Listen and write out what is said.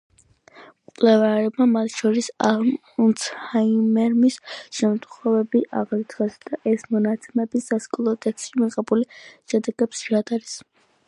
მკვლევარებმა მათ შორის ალცჰაიმერის შემთხვევები აღრიცხეს და ეს მონაცემები სასკოლო ტესტში მიღებულ შედეგებს შეადარეს.